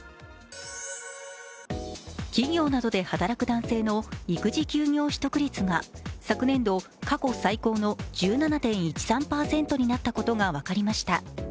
企業などで働く男性の育児休業取得率が昨年度、過去最高の１７．１３％になったことが分かりました。